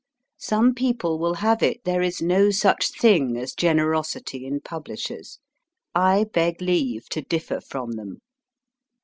Some people will have it there is no such thing as generosity in publishers. I beg leave to differ from them.